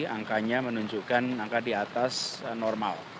angkanya menunjukkan angka di atas normal